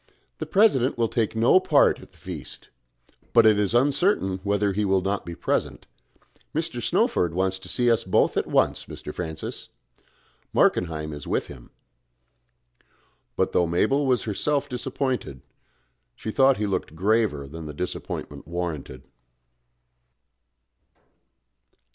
"The President will take no part at the Feast. But it is uncertain whether he will not be present. Mr. Snowford wants to see us both at once, Mr. Francis. Markenheim is with him." But though Mabel was herself disappointed, she thought he looked graver than the disappointment warranted.